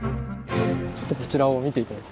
ちょっとこちらを見て頂いて。